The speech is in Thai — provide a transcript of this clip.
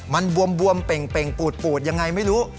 มันบวมเป่งปูดยังไงไม่รู้